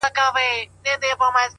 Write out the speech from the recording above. او د اشارو درناوی نه کوئ